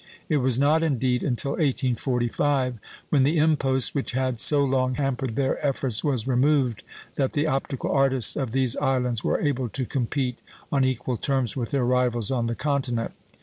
It was not indeed until 1845, when the impost which had so long hampered their efforts was removed, that the optical artists of these islands were able to compete on equal terms with their rivals on the Continent.